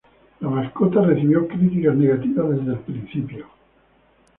La mascota recibió críticas negativas desde el principio.